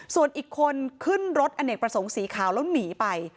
ส่วนอีกคนขึ้นรถอเนกประสงค์สีขาวแล้วหนีไป